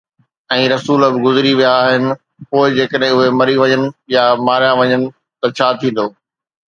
۽ رسول به گذري ويا آهن، پوءِ جيڪڏهن اهي مري وڃن يا ماريا وڃن ته ڇا ٿيندو؟